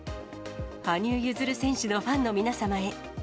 羽生結弦選手のファンの皆様へ。